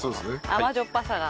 甘じょっぱさが。